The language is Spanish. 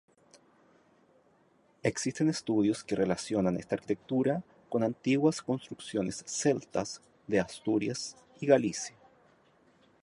Existen estudios que relacionan esta arquitectura con antiguas construcciones celtas de Asturias y Galicia.